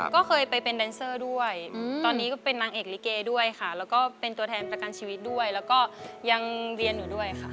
ก็เคยไปเป็นแดนเซอร์ด้วยตอนนี้ก็เป็นนางเอกลิเกด้วยค่ะแล้วก็เป็นตัวแทนประกันชีวิตด้วยแล้วก็ยังเรียนอยู่ด้วยค่ะ